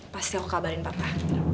pasti aku kabarin papa